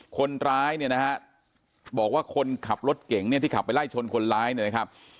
คนร้ายเนี่ยนะฮะบอกว่าคนขับรถเก่งเนี่ยที่ขับไปไล่ชนคนร้ายเนี่ยนะครับ